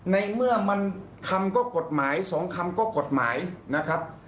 ในเมื่อมันทำก็กฎหมายสองคำก็กฎหมายนะครับ